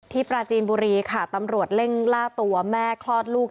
ปราจีนบุรีค่ะตำรวจเร่งล่าตัวแม่คลอดลูก